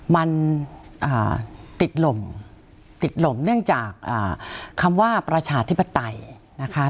มันติดลมติดหล่มเนื่องจากคำว่าประชาธิปไตยนะคะ